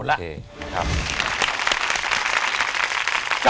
ขอบคุณครับ